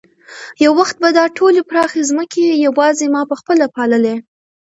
یو وخت به دا ټولې پراخې ځمکې یوازې ما په خپله پاللې.